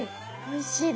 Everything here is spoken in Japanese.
おいしい。